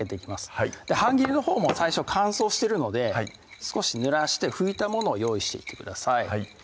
はい半切りのほうも最初乾燥してるので少しぬらして拭いたものを用意していってください